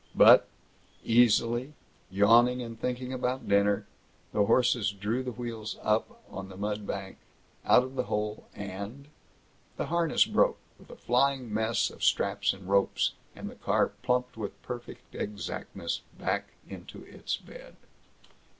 But, easily, yawning and thinking about dinner, the horses drew the wheels up on the mud bank, out of the hole and The harness broke, with a flying mess of straps and rope, and the car plumped with perfect exactness back into its bed.